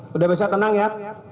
sudah bisa tenang ya